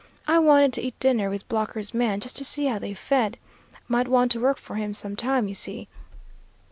I wanted to eat dinner with Blocker's man, just to see how they fed. Might want to work for him some time, you see.